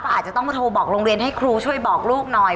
อาจจะต้องโทรบอกโรงเรียนให้ครูช่วยบอกลูกหน่อย